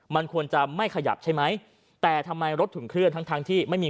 มันควรจะไม่ขยับใช่ไหมแต่ทำไมรถถึงเคลื่อนทั้งทั้งที่ไม่มี